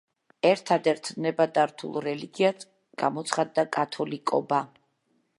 ერთადერთ ნებადართულ რელიგიად გამოცხადდა კათოლიკობა.